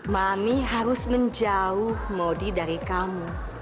mami harus menjauh modi dari kamu